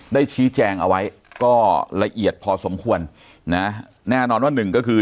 ได้ชี้แจงเอาไว้ก็ละเอียดพอสมควรนะแน่นอนว่าหนึ่งก็คือ